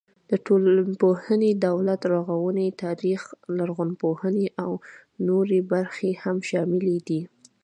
د ټولنپوهنې، دولت رغونې، تاریخ، لرغونپوهنې او نورې برخې هم شاملې دي.